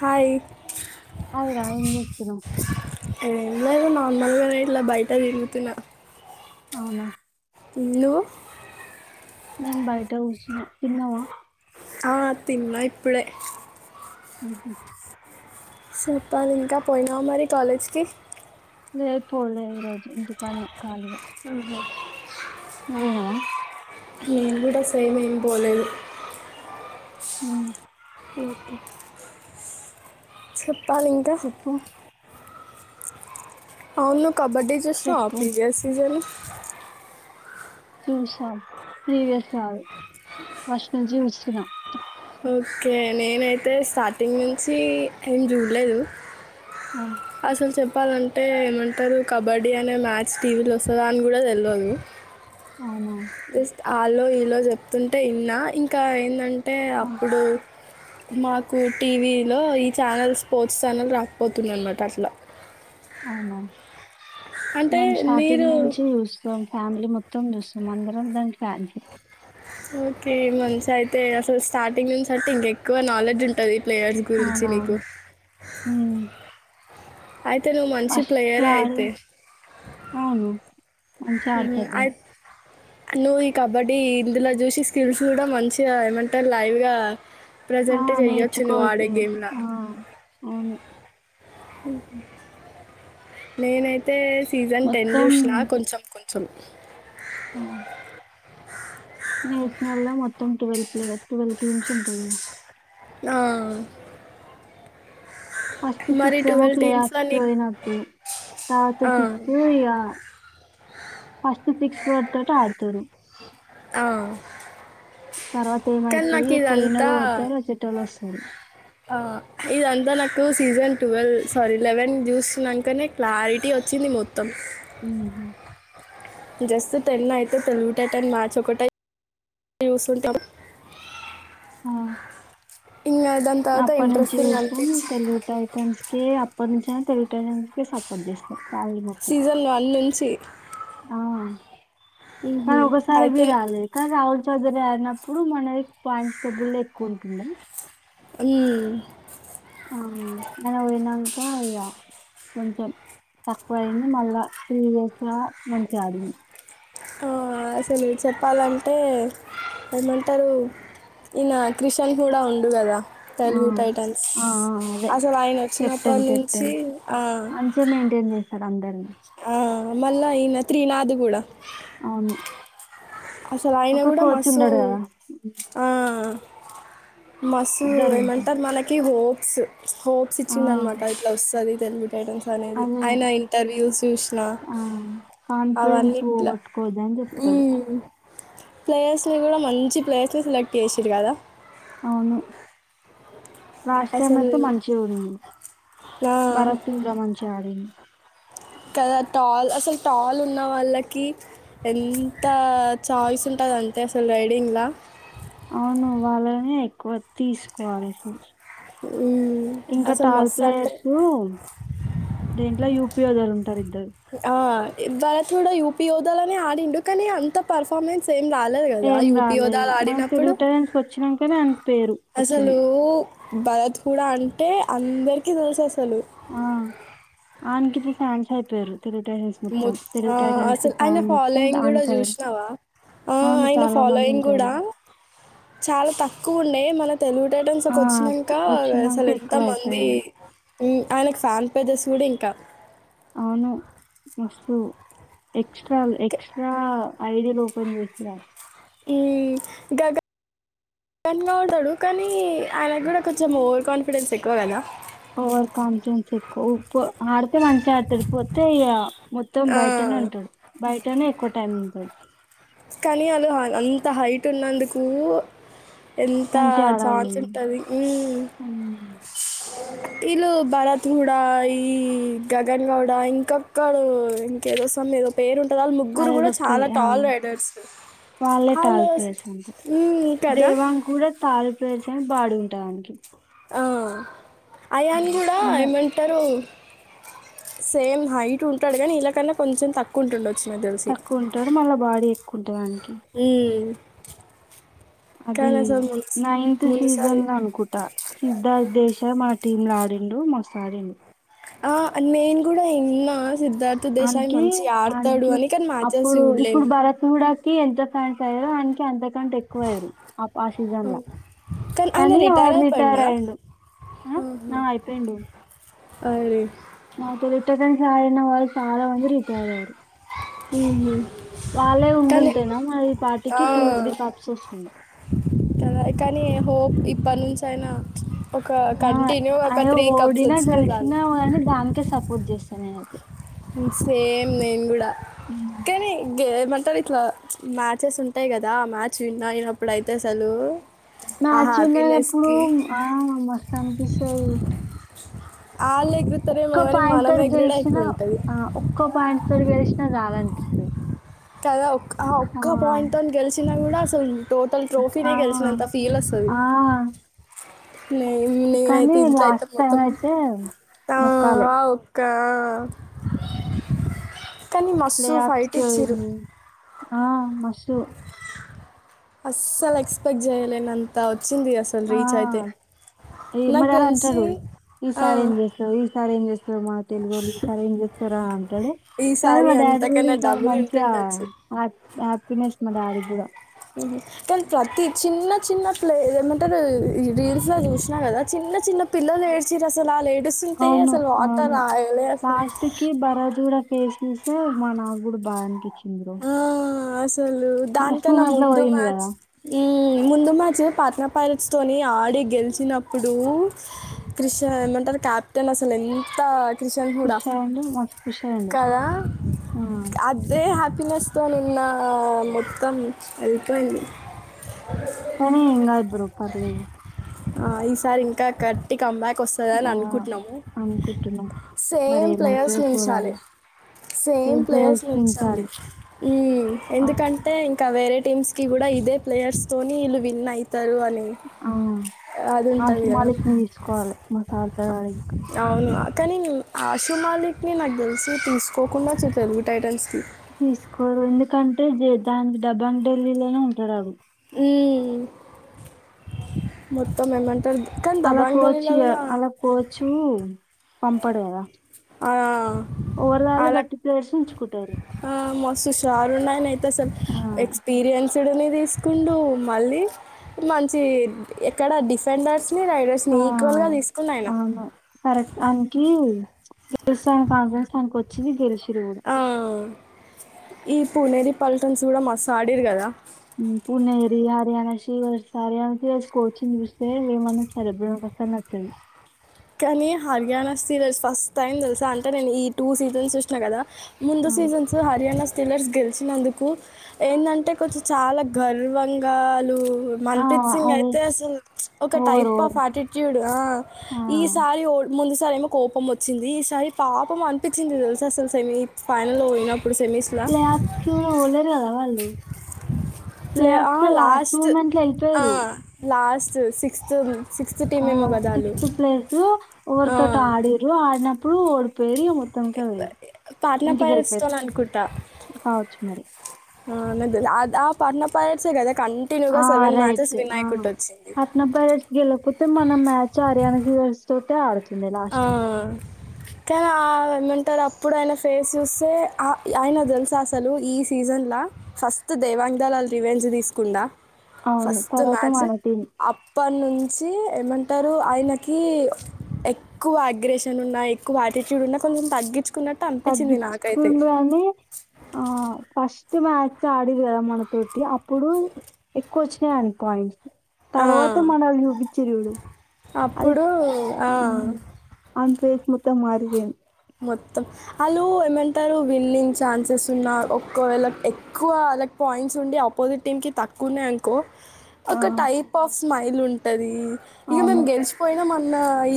Hi ఆయ్ రా ఏం చేస్తున్నావ్ ఏం లేదు నార్మల్గానే ఇట్లా బయట తిరుగుతున్నా అవునా మ్ నువ్వు నేను బయట కూర్చున తిన్నవా ఆ తిన్నా ఇప్పుడే హ్ మ్ చెప్పాలింకా పోయినవా మరి కాలేజ్కి లేద్ పోలే ఈ రోజు ఇంటికన్నె కాలిగా ఆహ నువ్ పోయినవా నేను కూడా సేమ్ ఏం పోలేదు. హ్ ఓకే సెప్ ప్ప ఇంకా చెప్పు అవును కబడ్డీ చూస్నావా చెప్పు పి ఇడి సీజన్ చూసాం ప్రీవియస్ కాదు ఫస్ట్ నుంచి చూస్తున్న. ఓకే నేనైతే స్టార్టింగ్ నుంచి ఏం చూడ్లేదు ఆ, అసలు చెప్ చెప్పాలంటే ఏమంటారు కబడ్డీ అనే మ్యాచ్ టీవీలో వస్తదా అని కూడా తెల్వదు అవునా తెస్తే ఆలో ఈలో చెప్తుంటే ఇన్నా ఇంకా ఏందం టే ఆ, అప్పుడూ మాకు టీవీలో ఈ ఛానల్ స్పోర్ట్స్ ఛానల్ రాకపోతుండే అన్నమాట యాక్చువల్గా అవునా మేం స్టార్టింగ్ మీరు నుంచి చూస్తాం ఫ్యామిలీ మొత్తం చూస్తాం అందరం దానికి ఫ్యాన్స్ ఓకే మంచి అయితే అసలు స్టార్టింగ్ నుంచి అంటే ఇంకెక్కువ నాలెడ్జ్ ఉంటది. ప్లేయర్స్ గురించి నీకు అవునవును ఉమ్. అయితే నువ్ మంచి ఫస్ట్ ప్లేయరే ఆడి అయితే అవును మంచిగా ఉహు. ఆడతార్ అయి- నువ్వు ఈ కబడ్డీ ఇందులో చూసి స్కిల్స్ గుడా మంచిగా ఏమంటర్ లైవ్గా ఆ ప్రజెంట్ చెయ్యొచ్చు నువ్వు ఆడే నేర్చుకోదు గేమ్లో ఆ అవును. నేనైతే సీజన్ టెన్ మొత్తం చూసినా కొంచెం చూడ్లే ఆ నైట్ నల్ల టువల్ ప్లే టువల్ నుంచి ఉంటది గదా ఆ ఫస్ట్ మరి సిక్స్ ఏమో ట్వెల్వ్ ప్లే టీమ్స్లో ఆఫ్స్కి నీకు పోయినట్టు తర్వాత ఆ, సిక్స్ ఇగ ఫస్ట్ సిక్స్ పడితట్టు ఆడతరు ఆ తర్వాత కానీ ఏమైతది నాకు ఇదంతా పొయినోలు పోతారు అచేటోళ్ళు వస్తరు ఆ ఇదంతా నాకు సీజన్ ట్వెల్వ్ సారీ లెవెన్ చూసినకనే క్లారిటీ వచ్చింది మొత్తం హుమ్ జస్ట్ టెన్ అయితే తెలుగు టైటాన్స్ మ్యాచ్ ఒకటె చూసుంటాం ఆ తర్వాత అప్పటి నుంచి ఇంట్రెస్టింగ్ చూస్తాం అనిపించి తెలుగు టైటన్స్ కి అప్పటి నుంచి తెలుగు టైటన్స్ సపోర్ట్ చేస్తాం ఫ్యామిలీ మొత్తం సీజన్ వన్ నుంచి ఆ మ్హూ. కానీ ఒకసారి అయితే మీరు రాలేక రాహుల్ చౌదరా చిన్నప్పుడు మనవి పాయింట్స్ స్టేబుల్ ఎక్కువ ఉంటుండా హుమ్ ఆ మనం ఏమన్ ఇగ కొంచెం తక్కువ అయింది మళ్ళా ప్రీవియస్ లా మంచిగా ఆడింది ఆ అసలు చెప్పాలంటే ఏమంటారు ఈయన క్రిషన్ గుడా ఉండు కదా ఆ తెలుగు టైటన్స్ ఆ ఆ అదే అసలు ఆయన కెప్టెన్ వచ్చినప్పటి నుంచి కెప్టెన్ ఆ చేసాడు అందర్నీ హుమ్ మళ్ళా ఈయన త్రీనాద్ గుడా అవును అసలు ఆయన ఒక గుడా కోచ్ మస్సు ఉండడు కదా ఆ మస్సూ ఇద్దరు ఉంటారు ఏమంటారు మనకి హో ప్స్ హోప్స్ ఆ ఇచ్చింది అనమాట ఇట్లా వస్తది తెలుగు టైటాన్స్ అనేది అదే ఆయన ఇంటర్వ్యూస్ చూసిన కాన్ఫిడెన్స్ అవన్నిట్ల పోగొట్టుకోవద్దని అని చెప్తాడు హుమ్ ప్లేయర్స్లో గుడా మంచి ప్లేయర్స్ నే సెలెక్ట్ చేసిండు గదా అసలు రాస్పెమతో మంచి గుంది నా బారత్ ఇంగ మంచిగా ఆడింది కదా టాల్ అసలు టాల్ ఉన్న వాళ్ళకి ఎంత చాయిస్ ఉంటాదంటే అసల్ రైడింగ్లా అవును వాళ్ళనే ఎక్కువ తీసుకోవాలి అసల్ ఇంకా అసలు టాల్ మస్తు అంటే ప్లేయర్సు దీంట్లో యూపి ఒదరు ఆ ఎవ్వర కూడా యూపీ ఓదలని ఆడిండు కానీ అంత పర్ఫార్మెన్స్ ఏ రాలేదు కదా ఏం యూపీ రాలేదు హోదలు మనకు ఆడినప్పుడు తెలుగు టాలెంట్స్ కి వచ్చినాకనే ఆయనకి పేరు వచ్చింది అసలు భరత్ కూడా అంటే అందరికి తెలుసు అసలు ఆ ఆయనకి త ఫాన్స్ అయిపోయారు తెలుగు టాలెంట్స్ మొత్తం తెలుగు టాలెంట్స్ కి అసలు ఆయన ఫ్యాన్ మొత్తం ఫాలోయింగ్ కూడా అయిపోయారు చూసినావా ఆ అవును ఆయన చాలా మంది ఫాలోయింగ్ ఉంటారు కూడా చాలా తక్కువ ఉండేయి మన తెలుగు టైటమ్స్ ఆ ఒక వచ్చినాక వచ్చినాక అసలు ఎంత ఎక్కువ మంది అయిపోయారు ఆయనకు ఫ్యాన్ పేజెస్ కూడా ఇంకా అవును మస్తు ఎక్స్ట్రా క్ ఎక్స్ట్రా ఆఐడ లోపని విస్ రా ఈ గగా న్గా ఉంటాడు కానీ ఆయనకు కూడా కొంచెం ఓవర్ కాన్ఫిడెన్స్ ఎక్కువ కదా ఓవర్ కాన్ఫిడెన్స్ ఎక్కువ ఆడితే మంచిగా ఆడుతాడు పోతే ఇ మొత్తం ఆ బయటనే ఉంటాడు బయటనే ఎక్కువ టైం ఉంటాడు కానీ అళ్లు అంత హైట్ ఉన్నందుకు ఎంత మంచిగా ఆడాలి ఛాన్స్ ఉంటుంది ఉమ్. వీళ్ళు భరత్గూడ ఈ గగన్ గౌడ ఇంకొక్కడు ఇంకేదో సమ్ ఏదో పేరుంటు వాళ్ళ ముగ్గురు కూడా చాలా టాలర్ెట్ వాళ్ళ టాల్ ప్లేస్ అంట హ్మ్ కదా దేవాం కూడా తాల్ ప్లేర్స్ అ బాడి ఉంటాయినకి ఆ అయాన్ కూడా మళ్ళ ఏమంటారు సేమ్ హైట్ ఉంటాడు కానీ ఇలాకన్నా కొంచెం తక్కువ ఉంటుండ తక్కువ ఉంటాడు మళ్ళ బాడీ ఎక్కువ కుర్ద్ని ఉ అది ముందు నైన్త్ సీజన్ ముందుసారి అనుకుంటా సిద్ధార్ దేశ మా టీమ్ లో ఆడిండు మస్త ఆడిండు ఆ నేను కూడా ఇన్నా అకే అక అని కానీ మ్యాచెస్ అప్పుడు ఇప్పుడు చూడలేను భరత కూడాడా ఎంత ఫ్యాన్స్ అయో అననికి అంత ంట ఎక్కువ అయ్యారు ఆ సీజన్ ఆయన కానీ రిటైర్ వాడని తయార అయిపోయిండా అయిండు నా అయిపోయిండు అరిే మా తె రిటంన వాళ చాలా వంది రిటైర్ ఆయారు ఉ వాళ్ళే ఉండుంటేనా మరి ఈ ఆ, పాటికి టూ త్రీ కప్స్ వస్తుండే కనీ హోప్ ఇప్పటి నుంచయినా ఆ అయ ఓడిన వచ్చినా చాలు గెలిచినా గాని దానికే సపోర్ట్ చేస్తా ఇక నేనైతె సేమ్ నేను కూడా కని గ మ ఉంటార్ ఇట్లా మ్యాచెస్ ఉంటాయి కదా ఆ మ్యాచ్ విన్న యినప్పుడు అయితే అసలు ఆ మ్యాచ్ ఉన్నప్పుడు హ్యాపీనెస్కి ఆ మస్తాందనిపిస్తుంది. తీసారు వాళ్ళు ఎగురుతారేమో ఒక్క కానీ పాయింట్ మనం తోటి ఎగురుడే గెలిచినా ఎక్కువ ఉంటుంది ఆ ఒక్క పాయింట్ తోటి గెలిచినా చాలండి పిస్తూ టవల్ ఆ ఒక్క పాయింట్ తో ని గెలిచిన కూడా అసలు టోటల్ ఆ, ట్రోఫీనే గెలిచినంత ఫీల్ వస్తది ఆ, నే కానీ నేనైతే ఇంట్ల అయితే లాస్ట్ టైం మొత్తం అయితే మొక్కాలే ఒక్క అయ్ కానీ ప్లే మస్తు ఆఫ్స్ ఫైట్ కి ఇచ్చి రు పోయింది ఆ మస్తు అస్సల్ ఎక్స్పెక్ట్ చేయ్యలేనంత ఆ ఏ నాకు మరి అలా తెలిసి అంటడు ఈ ఆ, సారి ఏం చేస్తావు ఈ సారి ఏం చేస్తావు ఇక మా తెలుగోల్లు సరే అండి సరే అండి ఉంటాడు కానీ ఈసారి మా డాడీ కూడా అంతకన్నా ఈ సారి డబ్బులు మంచిగా ఉంటుండొచ్చు హ్యాపీనే ఇస్ మా డాడీ కూడా కనీ ప్రతి చిన్న చిన్న ప్లే ఏమంటరు రీల్స్ లో చూసినా కదా చిన్న చిన్న పిల్లలు ఏడ్చిరు అసల వాళ్ళు ఏడుస్తుంటే అవును అసలు వాటర్ అవును ఆగలే అసలు లాస్ట్ కి భరత్ కూడా ఫేస్ చూస్తే మన నాక్ కూడా బాధ అనిపించింది బ్రో ఆ అసలు లాస్ట్ దానికన్నా మూమెంట్ లో ముందు పోయింది మ్యాచ్ కదా ఉమ్ ముందు మ్యాచ్ పాత ఫైల్స్ తోని ఆడి గెలిచినప్పుడు క్రిష ఏమంటారు క్యాప్టెన్ అసలు ఎంత క్రిషన్ కూడా ఖుషి అయ్యిండు మస్తు ఖుషి అయ్యిండు కద ఆ, అదే హ తినేస్త నిన్న మొత్తం అయిపోయింది కని ఇంక ఇద్దరు పర్లేదు ఆ ఈసారి ఇంకా గట్టిగా కమ్ బ్యాక్ కోస్తదని ఆ, అనుకుంటున్నాము అనుకుంటున్నాం మరి సేమ్ ఏమైతుందో ప్లేయర్స్నీ ఉంచాలే చూడాలి సేమ్ ప్లేయర్స్ హమ్ ఆ, ఎందుకంటే ఇక వేరే టీమ్స్ కి కూడా ఇదే ప్లేయర్స్తోని ఈల్లు విన్ అయి తరు అని అది ఉంటుంది కదా ఆశుమాలికని తీసుకోవాలి మా తార్తడాడ ఇంక అవును కానీ ఆశు మాలిక్ని నాకు తెలిసి తీసుకోకుండా తెలుగు టైటన్స్కి తీసుకోరు ఎందుకంటే జ దానికి డబ్బాంగ్ ఢిల్లీలోనే ఉంటడు ఉ మొత్తం ఏమంటారు కానీ అలా దబాంగ్ కోచు గలీలో కూడా అలా కోచు పంపడు కదా ఆ- ఓవర్ కట్టి ప్లేయర్స్ ఉంచుకుంటారు హుషారు ఉన్నా స ఆ ఎక్స్పీరియన్స్ తడిని తీసుకుంటూ మళ్ళీ మంచి ఎక్కడ డిఫెండర్స్ ఆ అవును కరెక్ట్ అనీకి గిరి స్థను క కని స్కుచ్చి గిరిస్ ఆ ఈ పునేరి పల్టన్స్ కూడా మస్తడిరు కదా పుణేరి హర్యానా శ్రీ హర్యానా వసుకోవచ్చుని చూస్తే ఏమన్నా సెలబ్రే వస్తా నచ్చంది కానీ హర్యానా సీజల్స్ ఫస్ట్ టైం తెలుసాను అంటే నేను ఈ టూ సీజన్స్ చూసినా కదా ముందు ఆ, సీజన్స్ హర్యాణ టిల్లర్స్ గెలిచినందుకు ఎందంటి కొంచెం చాలా గర్వంగాలు ఆ, మన్ప్రీత్ సింగ్ అదే అయితే అసలు ఒక over type of over attitude సారి ముందుసార ఏమో కోపం వచ్చింది ఈసారి పాపం అనిపించింది తెలుస అసలుస ఏమీ ఫైనల్ పోయిన ప్లేఆఫ్కి పోలేదు కదా వాళ్ళ ఫ్లే ఆ లాస్ట్ మూమెంట్ లో అ వెళ్ళిపోయారు. లాస్ట్ చూ సిక్స్త్ సిక్స్త్ టీం ఆ ఏమో కదా సిక్స్త్ ప్లేస్ ఓవర్ తోటి వాళ్ళు ఆడిరు ఆన రూ ఓడిపోయారు ఇగ మొత్తం మొత్తానికి పోయారు పాట్నా పైరట్స్తో ఇంటికిలిపారు కావచ్చు మరి అ అద అది ఆ పాట్నా పేరెంట్స్ ఎ కద ఆ రైట్ ఆ కొట్టొచ్చింది పాట్నా ప్లేయర్స్ గల ప మన మ్యాచ్ హర్యాణ దవస్తో ఆడత ఆ తర ఏమంటారు అప్పుడు ఆయనా ఫేస్ చూస్తే ఆయన తెలుసా అసలు ఈ సీజన్లో ఫస్ట్ దైవాంగ దళాలు రివెంజ్ తీసుకుంద అవును ఫస్ట్ తర్వాత మ్యాచ్ మన టీం అప్పడినుంచి ఏమంటారు ఆయనకి ఎ ఎక్కువ వైగ్రేషన్ ఉన్నా ఎక్కువ ఆటిట్యూ ఉ కొంచం తగ్గించు తగ్గించుకుండు అనే ఆ ఫస్ట్ స్ట్ మాచ్ ఆడి వేర మన తూటి ఇప్పుడు ఎక్కువచ్చ చేయాలి పాయింట్స్ ఆ, తర్వాత మనళ చూపించరుడు అది అప్పుడు ఆ, అన్ ఫేస్ మొత్తం మారివేన్ మొత్తం ఆళ్ళు ఏమంటారు విన్నింగ్ ఛాన్సెస్ ఉన్నా ఒకవేళ ఎక్కువ వాళ్ళకి పాయింట్స్ ఉండి ఆపోజిట్ టీమ్కి తక్కువ ఉన్నాయినుకో ఆ ఒక టైప్ ఆఫ్ స్మైల్ ఉంటుంది ఇక మేము గెలిచిపోయినా మ నా ఇ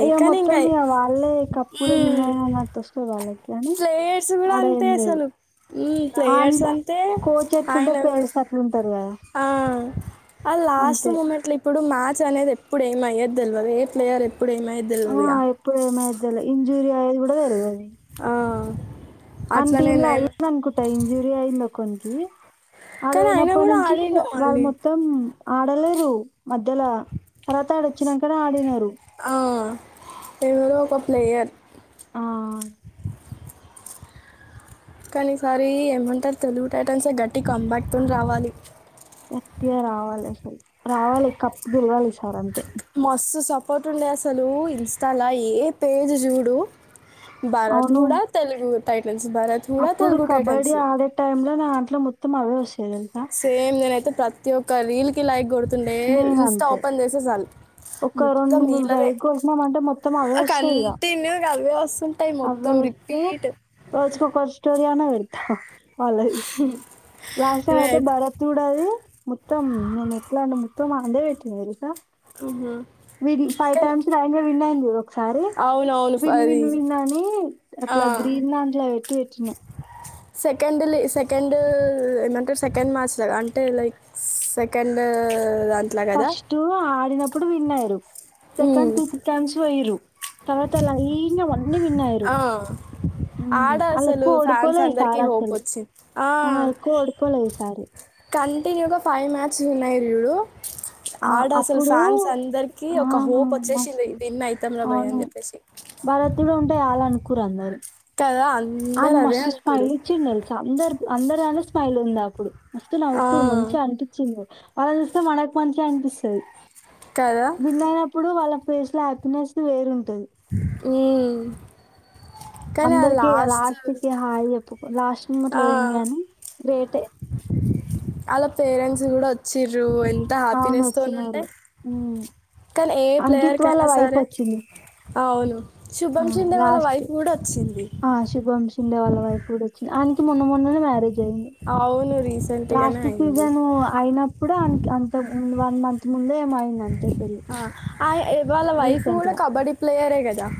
అయ్యా మొత్తం ఇ వాళ్ళే కప్పుడు మీంద నా టెస్ట్ పో వాల్ల ప్లేయర్స్ కూడా అంతే అసలు మ్మ్ ప్లేయర్స్ అంత అంతే కోచ్ ఎట్లుంటే ఆయన కూడా ప్లేయర్స్ అట్లుంటరు కదా ఆ ఆ లాస్ట్ అంతే. మూమెంట్ లో ఇప్పుడు మ్యాచ్ అనేది ఎప్పుడు ఏం అయ్యే తెలివదు ఏ ప్లేయర్ ఎప్ ఆ ఎప్పుడు ఏమయేది తేల్వ్ ఇం మూయది కూడా తెల్వదు ఆ అని టీమ్ లో అయింద అనుకుంటా ఇంజురీ అయింది కొంకి అడు కానీ ఆయన పోయినప్పటి కూడా నుంచి ఆడిండు వాళ్ళ మళ్ళీ మొత్తం ఆడలేరు మధ్యలో తర్వాత ఆడచ్చినన్కనే ఆడినారు ఆ ఎవరు ఒక ప్లేయర్ ఆ కానీసారి ఏమంటారు తెలుగు టైటన్స్ ఏ గట్టి కంబాక్తోని రావాలి గట్టిగా రావాలి అసలు రావాలి కప్పు గెలవాలి ఈసారి అంతే మస్తు సపోర్ట్ ఉండే అసలు ఇన్స్టాలో ఏ పేజ్ చూడు అవును భారత్గుడా తెలుగు టైటన్స్ భరత్ కూడా అప్పుడు తెలుగు కబడ్డీ టైటన్స్ ఆడే టై లో నాంట్లో మొత్ తమ్ అవే వొస్ సేమ్ నేనయితే ప్రతి ఒక్క రీల్ కి లైక్ కొడు స్తుండే నేను ఇన్స్టా అంతే ఓపెన్ చేసే చాలు ఒక మొత్తం రెండు మూడు వీళ్ళదే రైడ్ కొట్టినామంటే కంటిన్యూ గస్ అ వ రోజ కొక స్టోరీ అయిన అలాది రాష్ట్ర అయితే నేనైతే భరతడది మొత్తం నేను ఎట్లా అంటే మొత్తం అందే వచ్చ వెలుసా ఆ మీరు ఫైవ్ టైమ్స్ గా విన్నాందు ఒకసారి అవునవును ఫ- విన్ అది విన్ విన్ అని ఆ అట్లా గ్రీన్ అంట్లో పెట్టి పెట్టినాం సెకండ్లీ సెకండ్ ఏమంటారు సెకండ్ మ్యాచ్లా అంటే లైక్ సెకండ్ దాంట్లో కదా ఫస్టు ఆడిన ఇప్పుడు విన్ అయ్యారు సెకండ్ మ్మ్. టూ త టైమ్స్ పోయారు తర్వాత అలా అయినవన్నీ విన్ అయ్యారు ఆ. ఆడ అలా అసలు ఎక్కువ ఫ్యాన్స్ ఓడిపోలే ఈ అందరికీ సార్ హోప్ అసలు వచ్చింది ఆ ఎక్కువ ఓడిపోలే యి సారి కంటిన్యూగా ఫైవ్ మ్యాచ్స్ ఉన్నాయి ఇడు ఆ! ఆడ అసలు అప్పుడు ఫ్యాన్స్ అందరికి ఆ! ఒక హోప్ మస్ వచ్చేసింది విన్ అవుతాం రా భయ అవును. అని చెప్పేసి కూ అన్నారు ద అడ్ మస్తుస్ పలి చిన్నలు చ అందర అందరుగానే స్మైల్ ఉంది అప్పుడు వస్తు ఆ, న్కు మంచిగా అనిపించింది వాళ్ళ చూస్తే మనకు మంచిగా అనిపిస్తుంది కదా విన్ అయినప్పుడు వాళ్ళ ప్లేస్ లో హ్యాపీనెస్ వేరుంటంది ఊమ్ అందరికి లాస్ట్కి హాయి చెప్పు లాస్ట్ హిమట్లో పోయింది గానీ గ్రేటే వాళ్ళ పేరెంట్స్ కూడా వచ్చిరు అవును వచ్చినారు కానీ ఏ అంకిత్ వాళ్ళ ప్లేయర్కైనా వైఫ్ సరే వచ్చింది అవును ఆ! శుభం చెండే వాళ్ళ వైఫ్ కూడా వచ్చింది తండే వాళ్ళ వైపు కూడా వచ్చంది ఆయనికి మున్న మ మ్యారేజ్ అయింది అవును రీసెంట్గానే లాస్ట్ అయింది సీజన్ అయినప్పుడు ఆనకి అంత మ వన్ మంత్ ముందే ఏమో అయిందంతే పెళ్లి. ఆ వాళ్ళ వైఫ్ రీసెంట్‌గా. కూడా కబడ్డీ ప్లేయరే కదా